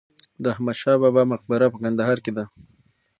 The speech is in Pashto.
د احمدشاه بابا په مقبره په کندهار کې ده.